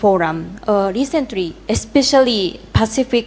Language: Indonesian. tadi terutama negara negara di pulau pasifik